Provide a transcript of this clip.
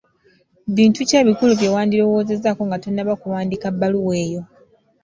Bintu ki ebikulu bye wandirowoozezzaako nga tonnaba kuwandiika bbaluwa eyo?